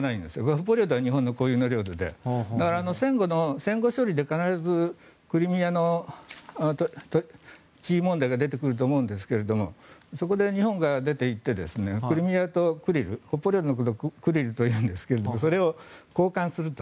北方領土は日本の固有の領土でだから、戦後処理で必ずクリミアの地位問題が出てくると思うんですがそこで日本が出ていってクリミアとクリル北方領土のことをクリルと言うんですけどそれを交換すると。